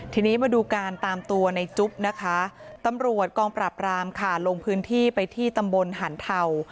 ทีนี้มาดูการตามตัวในจุ๊บนะคะตำรวจกองปราบรามค่ะลงพื้นที่ไปที่ตำบลหันเทา